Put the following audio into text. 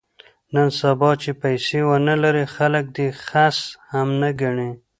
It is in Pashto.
نن سبا چې پیسې ونه لرې خلک دې خس هم نه ګڼي.